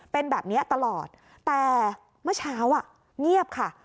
เป็นแบบนี้ตลอดแต่เมื่อเช้าเงียบค่ะ